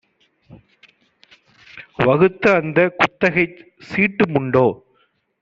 வகுத்தஅந்தக் குத்தகைக்குச் சீட்டுமுண்டோ